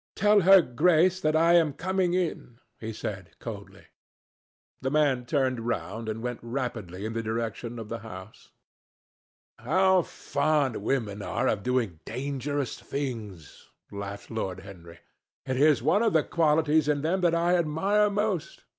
"Tell her Grace that I am coming in," he said, coldly. The man turned round and went rapidly in the direction of the house. "How fond women are of doing dangerous things!" laughed Lord Henry. "It is one of the qualities in them that I admire most.